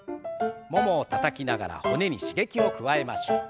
ももをたたきながら骨に刺激を加えましょう。